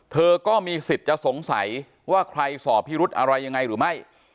เธอก็มีสิทธิ์จะสงสัยว่าใครสอบพิรุธอะไรยังไงหรือไม่